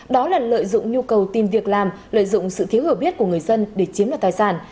đó là lợi dụng nhu cầu tìm việc làm lợi dụng sự thiếu hiểu biết của người dân để chiếm đoạt tài sản